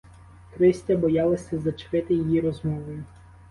Христя боялася зачепити її розмовою.